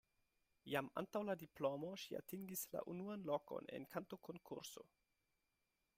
Jam antaŭ la diplomo ŝi atingis la unuan lokon en kantokonkurso.